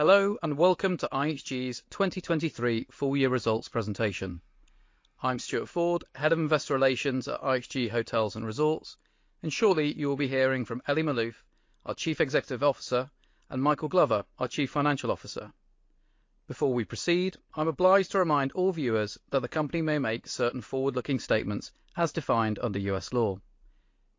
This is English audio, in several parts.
Hello and welcome to IHG's 2023 full-year results presentation. I'm Stuart Ford, Head of Investor Relations at IHG Hotels & Resorts, and shortly you will be hearing from Elie Maalouf, our Chief Executive Officer, and Michael Glover, our Chief Financial Officer. Before we proceed, I'm obliged to remind all viewers that the company may make certain forward-looking statements as defined under U.S. law.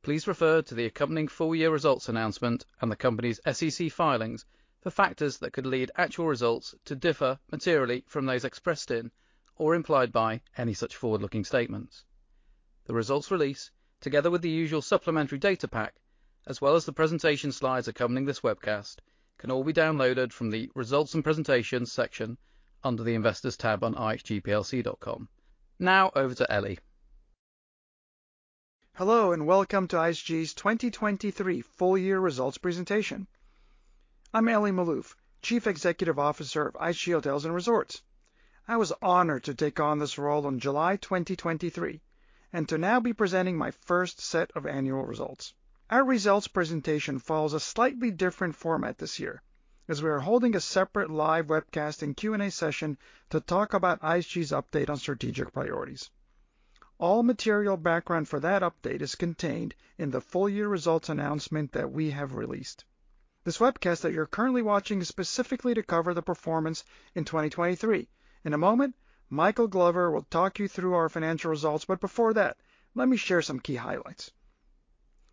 Please refer to the accompanying full-year results announcement and the company's SEC filings for factors that could lead actual results to differ materially from those expressed in or implied by any such forward-looking statements. The results release, together with the usual supplementary data pack as well as the presentation slides accompanying this webcast, can all be downloaded from the Results & Presentations section under the Investors tab on ihgplc.com. Now over to Elie. Hello and welcome to IHG's 2023 full-year results presentation. I'm Elie Maalouf, Chief Executive Officer of IHG Hotels & Resorts. I was honored to take on this role in July 2023 and to now be presenting my first set of annual results. Our results presentation follows a slightly different format this year, as we are holding a separate live webcast and Q&A session to talk about IHG's update on strategic priorities. All material background for that update is contained in the full-year results announcement that we have released. This webcast that you're currently watching is specifically to cover the performance in 2023. In a moment, Michael Glover will talk you through our financial results, but before that, let me share some key highlights.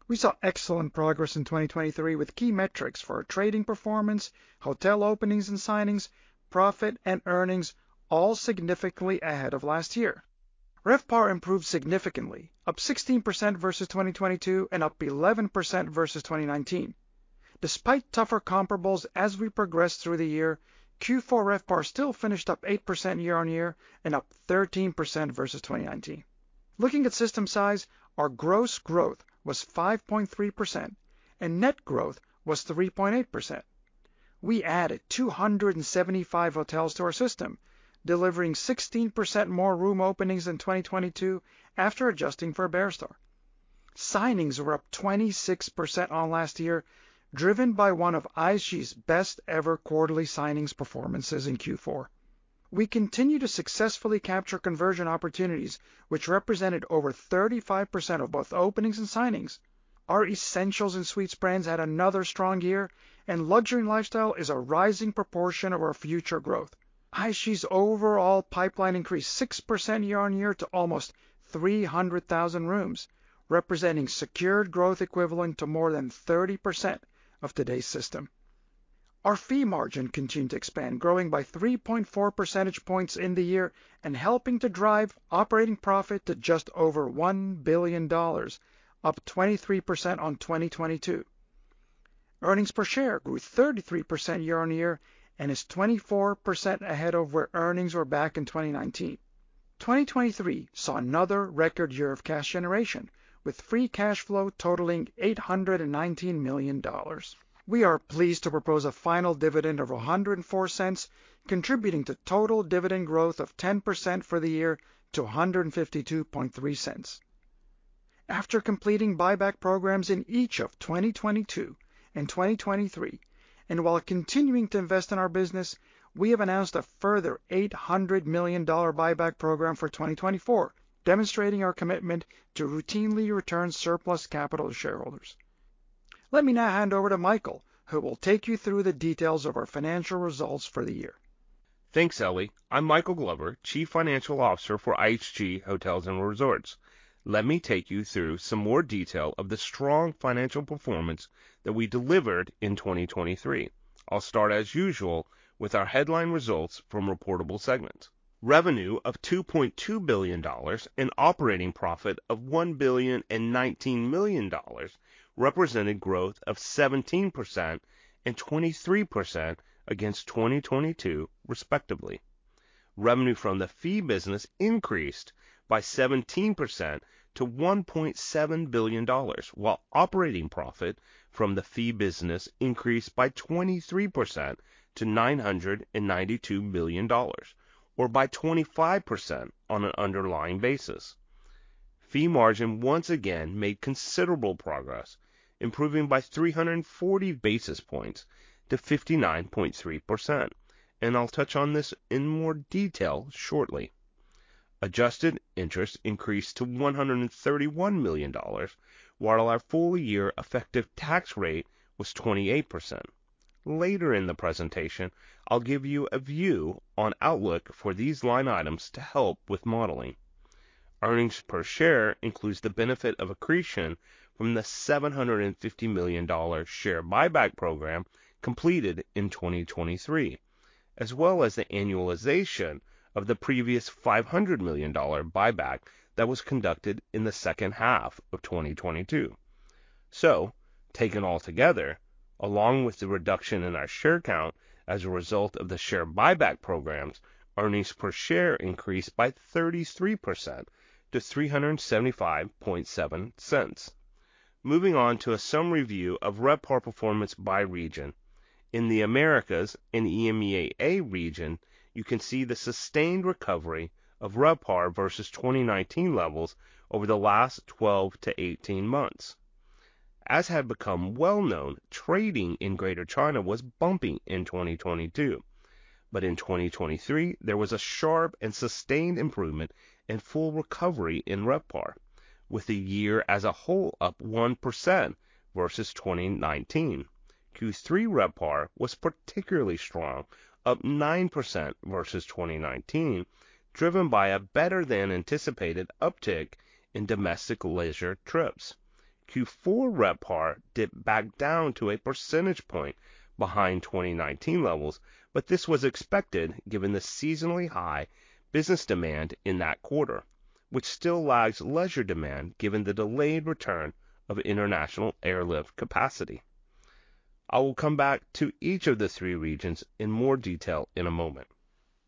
We saw excellent progress in 2023 with key metrics for trading performance, hotel openings and signings, profit and earnings, all significantly ahead of last year. RevPAR improved significantly, up 16% versus 2022 and up 11% versus 2019. Despite tougher comparables as we progressed through the year, Q4 RevPAR still finished up 8% year-on-year and up 13% versus 2019. Looking at system size, our gross growth was 5.3% and net growth was 3.8%. We added 275 hotels to our system, delivering 16% more room openings in 2022 after adjusting for Iberostar Beachfront Resorts. Signings were up 26% on last year, driven by one of IHG's best-ever quarterly signings performances in Q4. We continue to successfully capture conversion opportunities, which represented over 35% of both openings and signings. Our essentials and suites brands had another strong year, and luxury lifestyle is a rising proportion of our future growth. IHG's overall pipeline increased 6% year-on-year to almost 300,000 rooms, representing secured growth equivalent to more than 30% of today's system. Our fee margin continued to expand, growing by 3.4 percentage points in the year and helping to drive operating profit to just over $1 billion, up 23% on 2022. Earnings per share grew 33% year on year and is 24% ahead of where earnings were back in 2019. 2023 saw another record year of cash generation, with free cash flow totaling $819 million. We are pleased to propose a final dividend of $0.04, contributing to total dividend growth of 10% for the year to $0.1523. After completing buyback programs in each of 2022 and 2023, and while continuing to invest in our business, we have announced a further $800 million buyback program for 2024, demonstrating our commitment to routinely return surplus capital to shareholders. Let me now hand over to Michael, who will take you through the details of our financial results for the year. Thanks, Elie. I'm Michael Glover, Chief Financial Officer for IHG Hotels & Resorts. Let me take you through some more detail of the strong financial performance that we delivered in 2023. I'll start, as usual, with our headline results from reportable segments. Revenue of $2.2 billion and operating profit of $1.19 billion represented growth of 17% and 23% against 2022, respectively. Revenue from the fee business increased by 17%-$1.7 billion, while operating profit from the fee business increased by 23% to $992 million, or by 25% on an underlying basis. Fee margin once again made considerable progress, improving by 340 basis points to 59.3%, and I'll touch on this in more detail shortly. Adjusted interest increased to $131 million, while our full-year effective tax rate was 28%. Later in the presentation, I'll give you a view on outlook for these line items to help with modeling. Earnings per share includes the benefit of accretion from the $750 million share buyback program completed in 2023, as well as the annualization of the previous $500 million buyback that was conducted in the second half of 2022. Taken altogether, along with the reduction in our share count as a result of the share buyback programs, earnings per share increased by 33%-$0.375. Moving on to a summary view of RevPAR performance by region. In the Americas and EMEAA region, you can see the sustained recovery of RevPAR versus 2019 levels over the last 12-18 months. As had become well known, trading in Greater China was bumping in 2022, but in 2023 there was a sharp and sustained improvement and full recovery in RevPAR, with the year as a whole up 1% versus 2019. Q3 RevPAR was particularly strong, up 9% versus 2019, driven by a better-than-anticipated uptick in domestic leisure trips. Q4 RevPAR dipped back down to a percentage point behind 2019 levels, but this was expected given the seasonally high business demand in that quarter, which still lags leisure demand given the delayed return of international airlift capacity. I will come back to each of the three regions in more detail in a moment.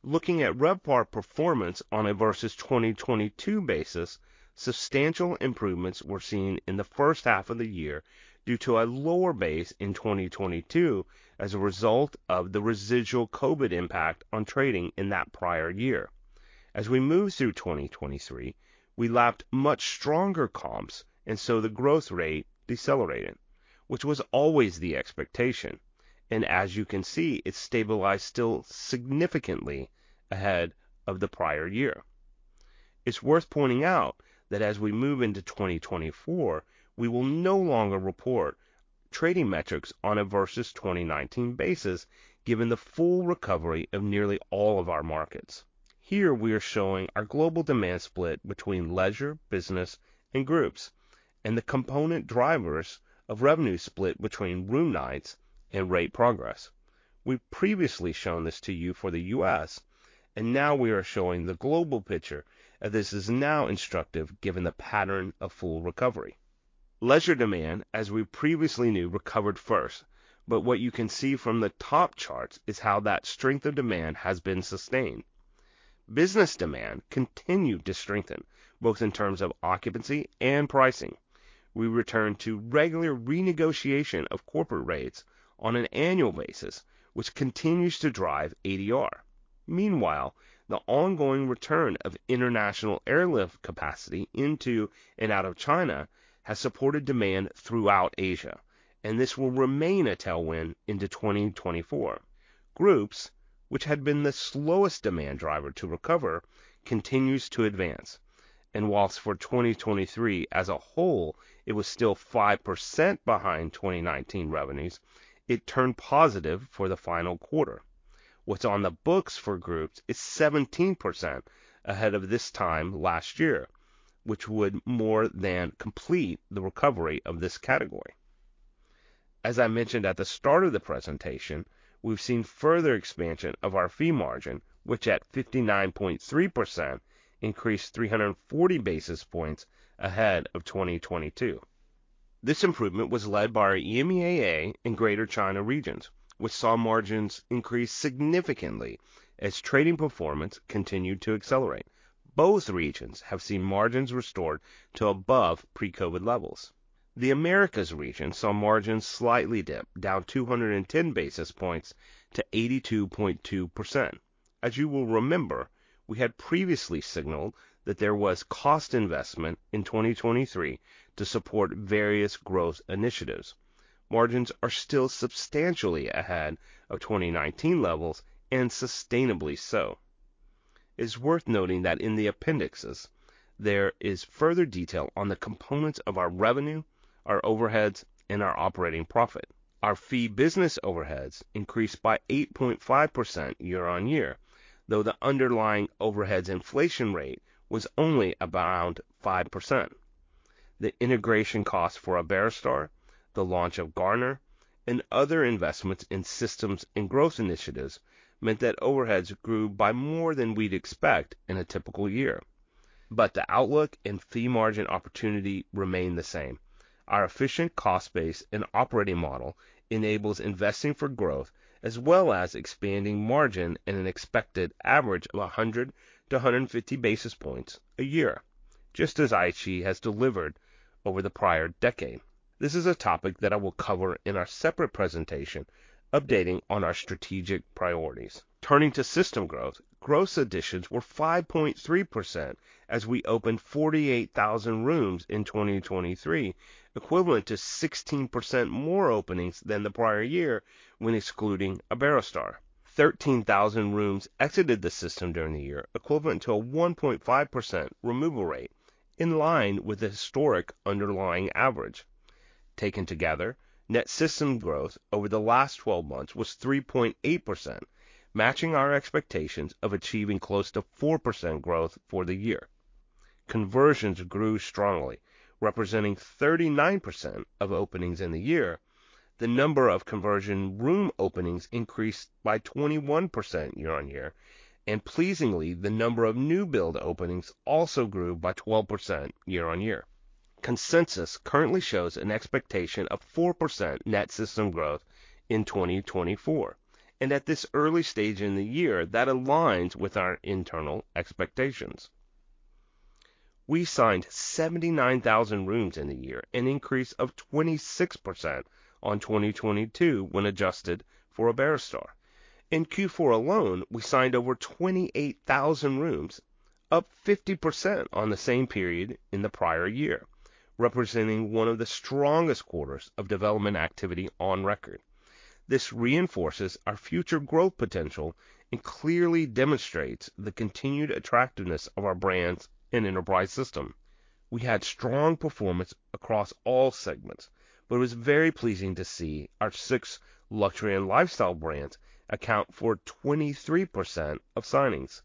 Looking at RevPAR performance on a versus 2022 basis, substantial improvements were seen in the first half of the year due to a lower base in 2022 as a result of the residual COVID impact on trading in that prior year. As we move through 2023, we lapped much stronger comps, and so the growth rate decelerated, which was always the expectation, and as you can see, it stabilised still significantly ahead of the prior year. It's worth pointing out that as we move into 2024, we will no longer report trading metrics on a versus 2019 basis given the full recovery of nearly all of our markets. Here we are showing our global demand split between leisure, business, and groups, and the component drivers of revenue split between room nights and rate progress. We've previously shown this to you for the U.S., and now we are showing the global picture, and this is now instructive given the pattern of full recovery. Leisure demand, as we previously knew, recovered first, but what you can see from the top charts is how that strength of demand has been sustained. Business demand continued to strengthen, both in terms of occupancy and pricing. We returned to regular renegotiation of corporate rates on an annual basis, which continues to drive ADR. Meanwhile, the ongoing return of international airlift capacity into and out of China has supported demand throughout Asia, and this will remain a tailwind into 2024. Groups, which had been the slowest demand driver to recover, continued to advance, and while for 2023 as a whole it was still 5% behind 2019 revenues, it turned positive for the final quarter. What's on the books for groups is 17% ahead of this time last year, which would more than complete the recovery of this category. As I mentioned at the start of the presentation, we've seen further expansion of our fee margin, which at 59.3% increased 340 basis points ahead of 2022. This improvement was led by EMEAA and Greater China regions, which saw margins increase significantly as trading performance continued to accelerate. Both regions have seen margins restored to above pre-COVID levels. The Americas region saw margins slightly dip, down 210 basis points to 82.2%. As you will remember, we had previously signaled that there was cost investment in 2023 to support various growth initiatives. Margins are still substantially ahead of 2019 levels, and sustainably so. It's worth noting that in the appendixes, there is further detail on the components of our revenue, our overheads, and our operating profit. Our fee business overheads increased by 8.5% year on year, though the underlying overheads inflation rate was only around 5%. The integration costs for Iberostar Beachfront Resorts, the launch of Garner, and other investments in systems and growth initiatives meant that overheads grew by more than we'd expect in a typical year. But the outlook and fee margin opportunity remain the same. Our efficient cost base and operating model enables investing for growth as well as expanding margin in an expected average of 100-150 basis points a year, just as IHG has delivered over the prior decade. This is a topic that I will cover in our separate presentation updating on our strategic priorities. Turning to system growth, gross additions were 5.3% as we opened 48,000 rooms in 2023, equivalent to 16% more openings than the prior year when excluding Iberostar Beachfront Resorts. 13,000 rooms exited the system during the year, equivalent to a 1.5% removal rate, in line with the historic underlying average. Taken together, net system growth over the last 12 months was 3.8%, matching our expectations of achieving close to 4% growth for the year. Conversions grew strongly, representing 39% of openings in the year. The number of conversion room openings increased by 21% year-on-year, and pleasingly, the number of new build openings also grew by 12% year-on-year. Consensus currently shows an expectation of 4% net system growth in 2024, and at this early stage in the year, that aligns with our internal expectations. We signed 79,000 rooms in the year, an increase of 26% on 2022 when adjusted for Iberostar Beachfront Resorts. In Q4 alone, we signed over 28,000 rooms, up 50% on the same period in the prior year, representing one of the strongest quarters of development activity on record. This reinforces our future growth potential and clearly demonstrates the continued attractiveness of our brands and enterprise system. We had strong performance across all segments, but it was very pleasing to see our six luxury and lifestyle brands account for 23% of signings,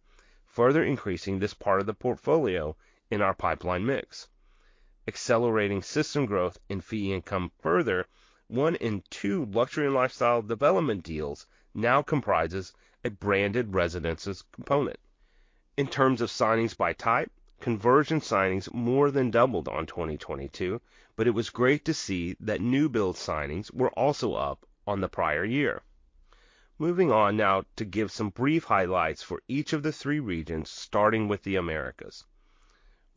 further increasing this part of the portfolio in our pipeline mix. Accelerating system growth and fee income further, one in two luxury and lifestyle development deals now comprises a branded residences component. In terms of signings by type, conversion signings more than doubled on 2022, but it was great to see that new build signings were also up on the prior year. Moving on now to give some brief highlights for each of the three regions, starting with the Americas.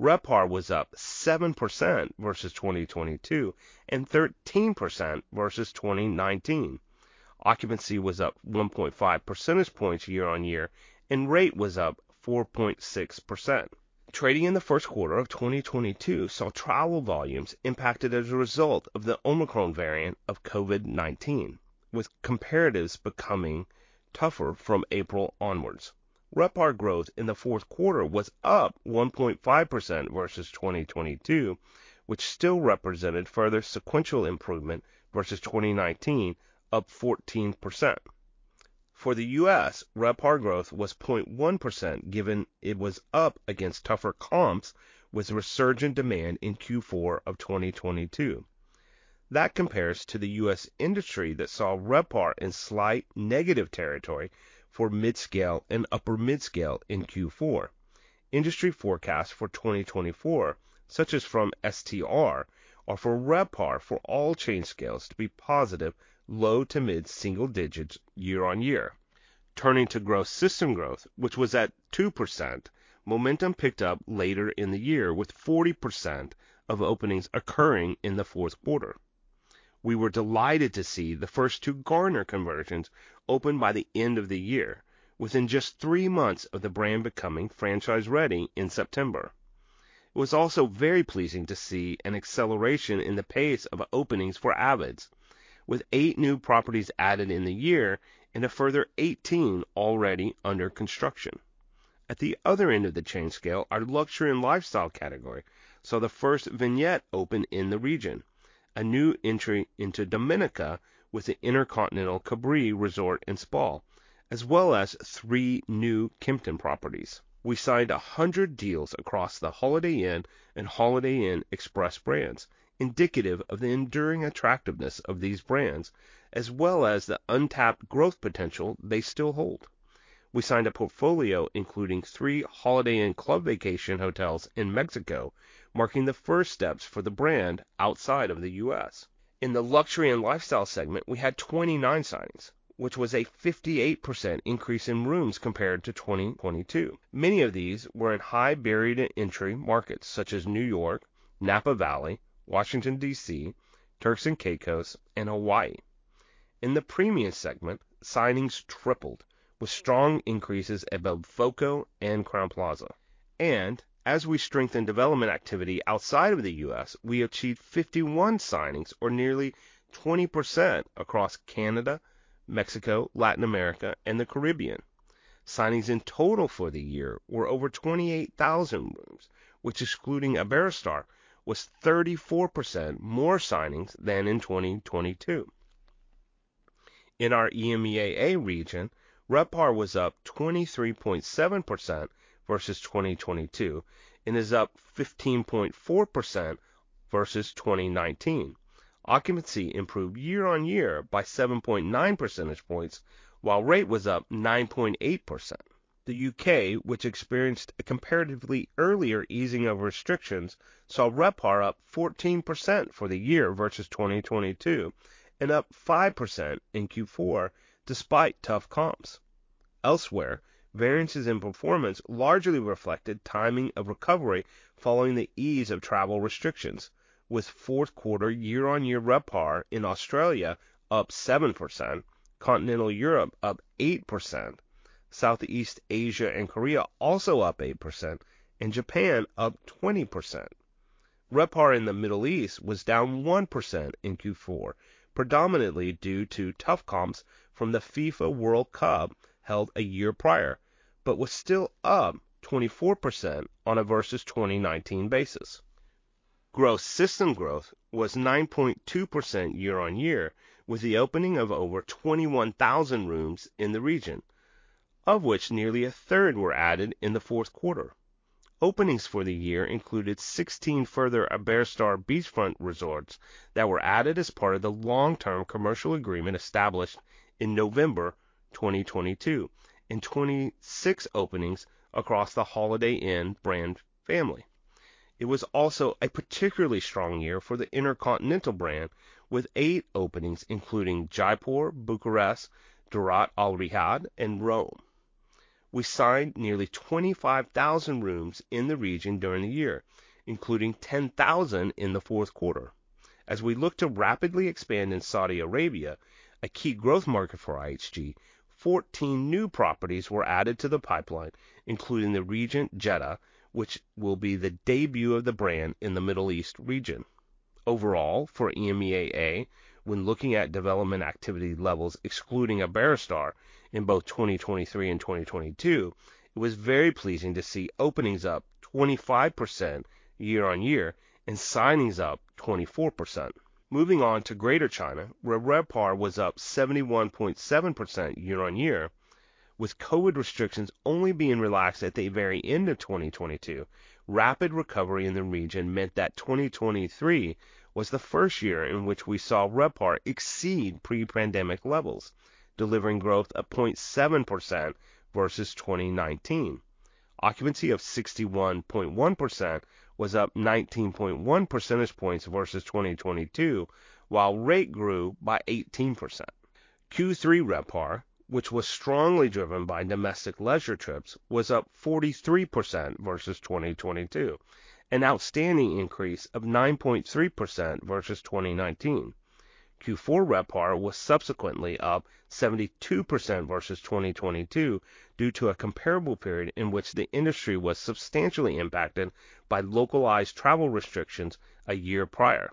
RevPAR was up 7% versus 2022 and 13% versus 2019. Occupancy was up 1.5 percentage points year-on-year, and rate was up 4.6%. Trading in the first quarter of 2022 saw travel volumes impacted as a result of the Omicron variant of COVID-19, with comparatives becoming tougher from April onwards. RevPAR growth in the fourth quarter was up 1.5% versus 2022, which still represented further sequential improvement versus 2019, up 14%. For the U.S., RevPAR growth was 0.1% given it was up against tougher comps with resurgent demand in Q4 of 2022. That compares to the U.S. industry that saw RevPAR in slight negative territory for mid-scale and upper mid-scale in Q4. Industry forecasts for 2024, such as from STR, are for RevPAR for all chain scales to be positive, low to mid single digits year on year. Turning to gross system growth, which was at 2%, momentum picked up later in the year with 40% of openings occurring in the fourth quarter. We were delighted to see the first two Garner conversions open by the end of the year, within just three months of the brand becoming franchise ready in September. It was also very pleasing to see an acceleration in the pace of openings for avids, with eight new properties added in the year and a further 18 already under construction. At the other end of the chain scale, our luxury and lifestyle category saw the first Vignette open in the region, a new entry into Dominica with the InterContinental Cabrits Resort and Spa, as well as three new Kimpton properties. We signed 100 deals across the Holiday Inn and Holiday Inn Express brands, indicative of the enduring attractiveness of these brands, as well as the untapped growth potential they still hold. We signed a portfolio including three Holiday Inn Club Vacations hotels in Mexico, marking the first steps for the brand outside of the U.S. In the luxury and lifestyle segment, we had 29 signings, which was a 58% increase in rooms compared to 2022. Many of these were in high-barrier entry markets such as New York, Napa Valley, Washington, D.C., Turks and Caicos, and Hawaii. In the premium segment, signings tripled with strong increases above voco and Crowne Plaza. And as we strengthen development activity outside of the U.S., we achieved 51 signings, or nearly 20%, across Canada, Mexico, Latin America, and the Caribbean. Signings in total for the year were over 28,000 rooms, which excluding Iberostar Beachfront Resorts, was 34% more signings than in 2022. In our EMEAA region, RevPAR was up 23.7% versus 2022 and is up 15.4% versus 2019. Occupancy improved year-on-year by 7.9 percentage points, while rate was up 9.8%. The U.K., which experienced a comparatively earlier easing of restrictions, saw RevPAR up 14% for the year versus 2022 and up 5% in Q4 despite tough comps. Elsewhere, variances in performance largely reflected timing of recovery following the ease of travel restrictions, with fourth quarter year-on-year RevPAR in Australia up 7%, continental Europe up 8%, Southeast Asia and Korea also up 8%, and Japan up 20%. RevPAR in the Middle East was down 1% in Q4, predominantly due to tough comps from the FIFA World Cup held a year prior, but was still up 24% on a versus 2019 basis. Gross system growth was 9.2% year-on-year with the opening of over 21,000 rooms in the region, of which nearly a third were added in the fourth quarter. Openings for the year included 16 further Iberostar Beachfront Resorts that were added as part of the long-term commercial agreement established in November 2022, and 26 openings across the Holiday Inn brand family. It was also a particularly strong year for the InterContinental brand, with eight openings including Jaipur, Bucharest, Durrat Al Riyadh, and Rome. We signed nearly 25,000 rooms in the region during the year, including 10,000 in the fourth quarter. As we look to rapidly expand in Saudi Arabia, a key growth market for IHG, 14 new properties were added to the pipeline, including the Regent Jeddah, which will be the debut of the brand in the Middle East region. Overall, for EMEAA, when looking at development activity levels excluding Iberostar Beachfront Resorts in both 2023 and 2022, it was very pleasing to see openings up 25% year-on-year and signings up 24%. Moving on to Greater China, where RevPAR was up 71.7% year-on-year, with COVID restrictions only being relaxed at the very end of 2022, rapid recovery in the region meant that 2023 was the first year in which we saw RevPAR exceed pre-pandemic levels, delivering growth of 0.7% versus 2019. Occupancy of 61.1% was up 19.1 percentage points versus 2022, while rate grew by 18%. Q3 RevPAR, which was strongly driven by domestic leisure trips, was up 43% versus 2022, an outstanding increase of 9.3% versus 2019. Q4 RevPAR was subsequently up 72% versus 2022 due to a comparable period in which the industry was substantially impacted by localized travel restrictions a year prior,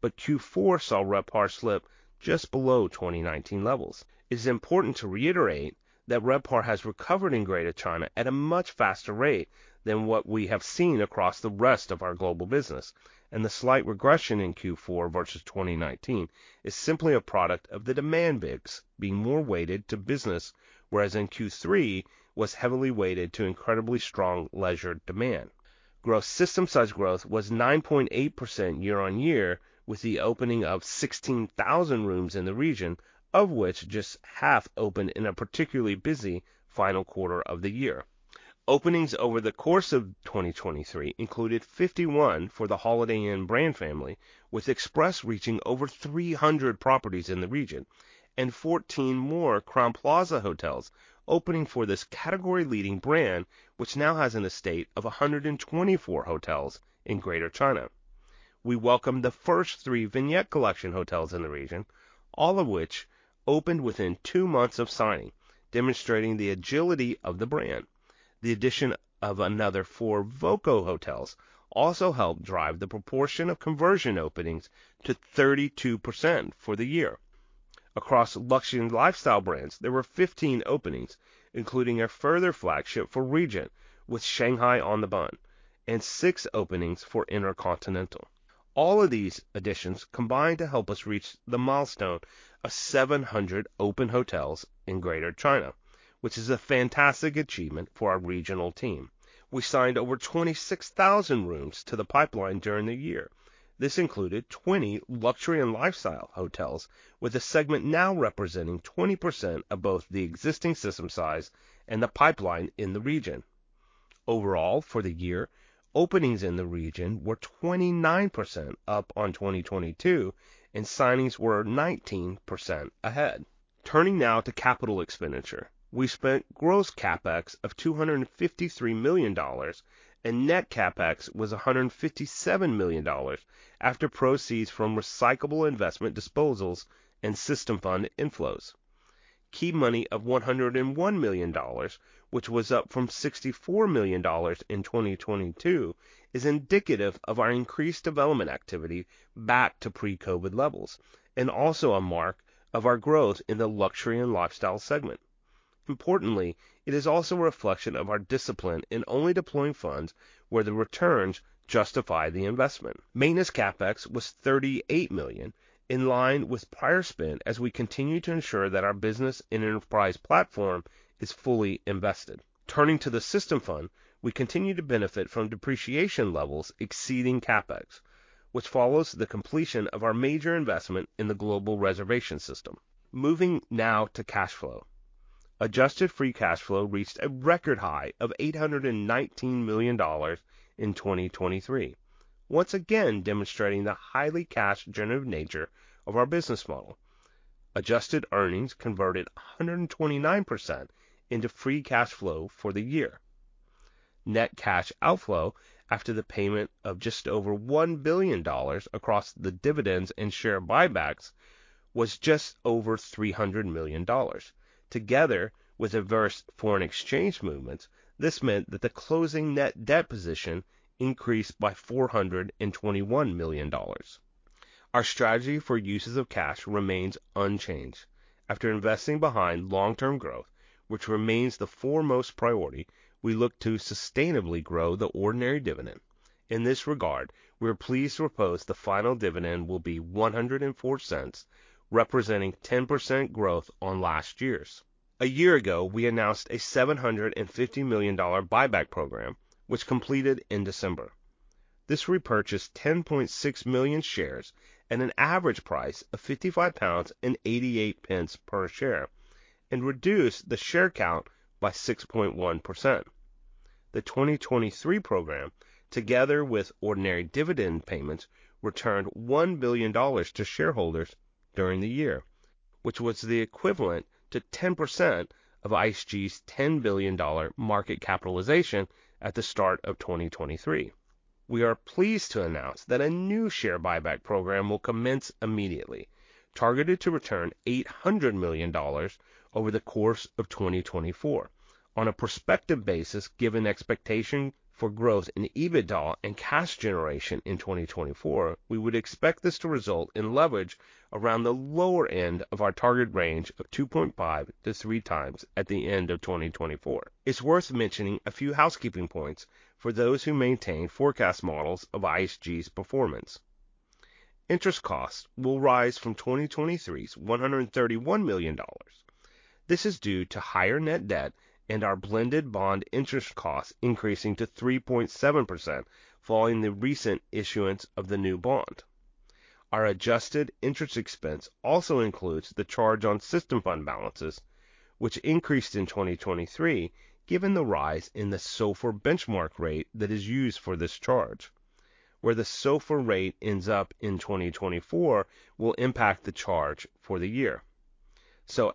but Q4 saw RevPAR slip just below 2019 levels. It's important to reiterate that RevPAR has recovered in Greater China at a much faster rate than what we have seen across the rest of our global business, and the slight regression in Q4 versus 2019 is simply a product of the demand mix being more weighted to business, whereas in Q3 was heavily weighted to incredibly strong leisure demand. Gross system size growth was 9.8% year-on-year, with the opening of 16,000 rooms in the region, of which just half opened in a particularly busy final quarter of the year. Openings over the course of 2023 included 51 for the Holiday Inn brand family, with Express reaching over 300 properties in the region, and 14 more Crowne Plaza hotels opening for this category-leading brand, which now has an estate of 124 hotels in Greater China. We welcomed the first three Vignette Collection hotels in the region, all of which opened within two months of signing, demonstrating the agility of the brand. The addition of another four voco hotels also helped drive the proportion of conversion openings to 32% for the year. Across luxury and lifestyle brands, there were 15 openings, including a further flagship for region with Shanghai on the Bund, and six openings for InterContinental. All of these additions combined to help us reach the milestone of 700 open hotels in Greater China, which is a fantastic achievement for our regional team. We signed over 26,000 rooms to the pipeline during the year. This included 20 luxury and lifestyle hotels, with a segment now representing 20% of both the existing system size and the pipeline in the region. Overall, for the year, openings in the region were 29% up on 2022, and signings were 19% ahead. Turning now to capital expenditure, we spent gross Capex of $253 million, and net Capex was $157 million after proceeds from recyclable investment disposals and System Fund inflows. Key money of $101 million, which was up from $64 million in 2022, is indicative of our increased development activity back to pre-COVID levels, and also a mark of our growth in the luxury and lifestyle segment. Importantly, it is also a reflection of our discipline in only deploying funds where the returns justify the investment. Maintenance Capex was $38 million, in line with prior spend as we continue to ensure that our business and enterprise platform is fully invested. Turning to the System Fund, we continue to benefit from depreciation levels exceeding Capex, which follows the completion of our major investment in the global reservation system. Moving now to cash flow. Adjusted free cash flow reached a record high of $819 million in 2023, once again demonstrating the highly cash-generative nature of our business model. Adjusted earnings converted 129% into free cash flow for the year. Net cash outflow after the payment of just over $1 billion across the dividends and share buybacks was just over $300 million. Together with adverse foreign exchange movements, this meant that the closing net debt position increased by $421 million. Our strategy for uses of cash remains unchanged. After investing behind long-term growth, which remains the foremost priority, we look to sustainably grow the ordinary dividend. In this regard, we are pleased to propose the final dividend will be $0.104, representing 10% growth on last year's. A year ago, we announced a $750 million buyback program, which completed in December. This repurchased 10.6 million shares at an average price of £55.88 per share and reduced the share count by 6.1%. The 2023 program, together with ordinary dividend payments, returned $1 billion to shareholders during the year, which was the equivalent to 10% of IHG's $10 billion market capitalization at the start of 2023. We are pleased to announce that a new share buyback program will commence immediately, targeted to return $800 million over the course of 2024. On a prospective basis, given expectations for growth in EBITDA and cash generation in 2024, we would expect this to result in leverage around the lower end of our target range of 2.5x-3x at the end of 2024. It's worth mentioning a few housekeeping points for those who maintain forecast models of IHG's performance. Interest costs will rise from 2023's $131 million. This is due to higher net debt and our blended bond interest costs increasing to 3.7% following the recent issuance of the new bond. Our adjusted interest expense also includes the charge on system fund balances, which increased in 2023 given the rise in the SOFR benchmark rate that is used for this charge. Where the SOFR rate ends up in 2024 will impact the charge for the year.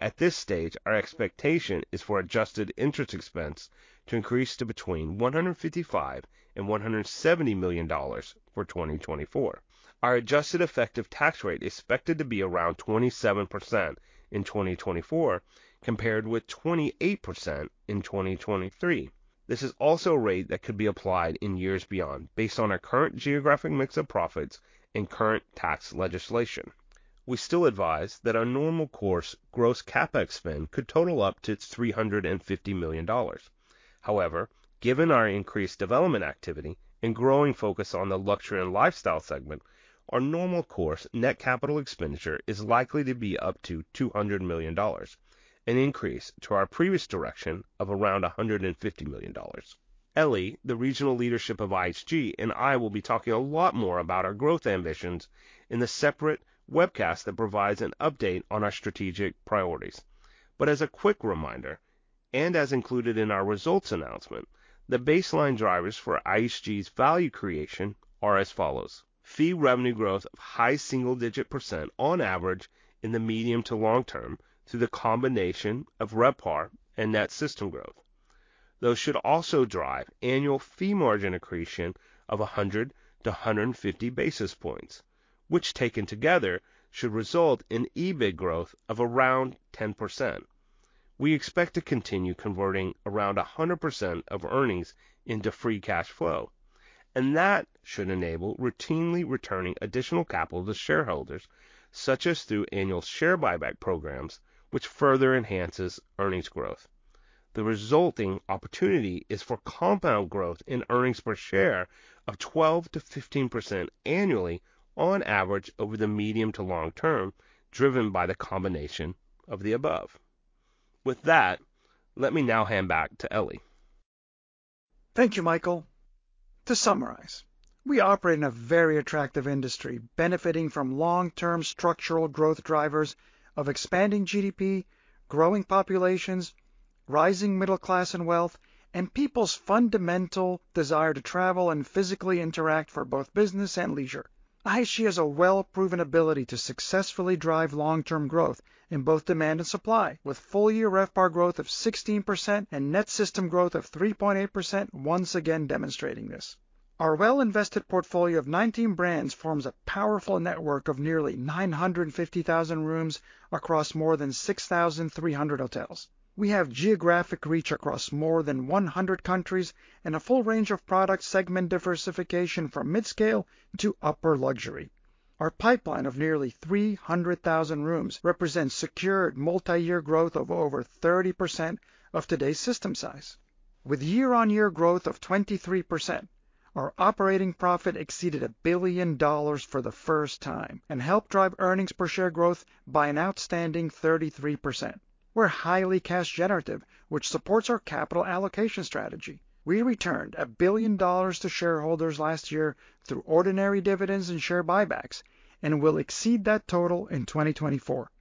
At this stage, our expectation is for adjusted interest expense to increase to between $155 million-$170 million for 2024. Our adjusted effective tax rate is expected to be around 27% in 2024 compared with 28% in 2023. This is also a rate that could be applied in years beyond based on our current geographic mix of profits and current tax legislation. We still advise that our normal course gross Capex spend could total up to its $350 million. However, given our increased development activity and growing focus on the luxury and lifestyle segment, our normal course net capital expenditure is likely to be up to $200 million, an increase to our previous direction of around $150 million. Elie, the regional leadership of IHG, and I will be talking a lot more about our growth ambitions in the separate webcast that provides an update on our strategic priorities. But as a quick reminder, and as included in our results announcement, the baseline drivers for IHG's value creation are as follows: fee revenue growth of high single-digit % on average in the medium to long term through the combination of RevPAR and net system growth. Those should also drive annual fee margin accretion of 100-150 basis points, which taken together should result in EBIT growth of around 10%. We expect to continue converting around 100% of earnings into free cash flow, and that should enable routinely returning additional capital to shareholders, such as through annual share buyback programs, which further enhances earnings growth. The resulting opportunity is for compound growth in earnings per share of 12%-15% annually on average over the medium to long term, driven by the combination of the above. With that, let me now hand back to Elie. Thank you, Michael. To summarize, we operate in a very attractive industry benefiting from long-term structural growth drivers of expanding GDP, growing populations, rising middle class and wealth, and people's fundamental desire to travel and physically interact for both business and leisure. IHG has a well-proven ability to successfully drive long-term growth in both demand and supply, with full-year RevPAR growth of 16% and net system growth of 3.8% once again demonstrating this. Our well-invested portfolio of 19 brands forms a powerful network of nearly 950,000 rooms across more than 6,300 hotels. We have geographic reach across more than 100 countries and a full range of product segment diversification from mid-scale to upper luxury. Our pipeline of nearly 300,000 rooms represents secured multi-year growth of over 30% of today's system size. With year-on-year growth of 23%, our operating profit exceeded $1 billion for the first time and helped drive earnings per share growth by an outstanding 33%. We're highly cash-generative, which supports our capital allocation strategy. We returned $1 billion to shareholders last year through ordinary dividends and share buybacks and will exceed that total in 2024.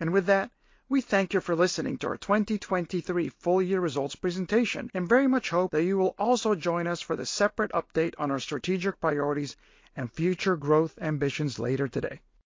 With that, we thank you for listening to our 2023 full-year results presentation and very much hope that you will also join us for the separate update on our strategic priorities and future growth ambitions later today.